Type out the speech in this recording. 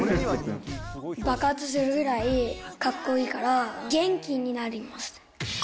爆発するぐらいかっこいいから、元気になります。